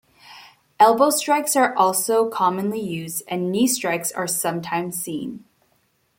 Elbow strikes are also commonly used, and knee strikes are sometimes seen.